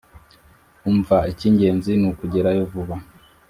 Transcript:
umva icyingenzi nukugerayo vuba.